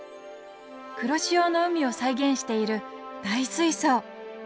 黒潮の海を再現している大水槽！